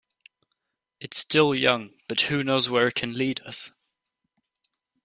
It's still young, but who knows where it will lead us.